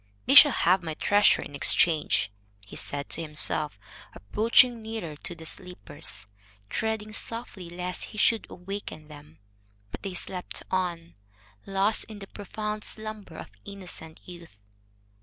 "They shall have my treasure in exchange," he said to himself, approaching nearer to the sleepers, treading softly lest he should awaken them. But they slept on, lost in the profound slumber of innocent youth.